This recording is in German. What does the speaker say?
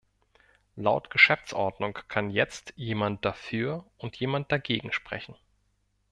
Laut Geschäftsordnung kann jetzt jemand dafür und jemand dagegen sprechen.